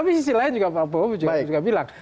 tapi sisi lain juga prabowo juga bilang